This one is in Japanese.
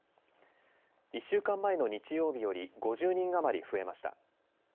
１週間前の日曜日より５０人余り増えました。